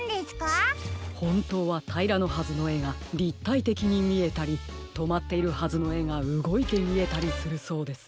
ほんとうはたいらのはずのえがりったいてきにみえたりとまっているはずのえがうごいてみえたりするそうです。